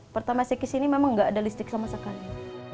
pertama sekis ini memang gak ada listrik sama sekali